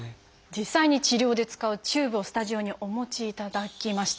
実際に治療で使うチューブをスタジオにお持ちいただきました。